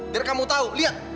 biar kamu tahu lihat